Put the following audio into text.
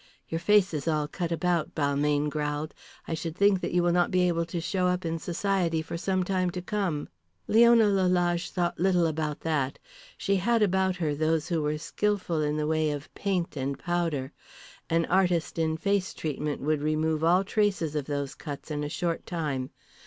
"Your face is all cut about," Balmayne growled. "I should think that you will not be able to show up in society for some time to come." Leona Lalage thought little about that. She had about her those who were skilful in the way of paint and powder. An artist in face treatment would remove all traces of those cuts in a short time.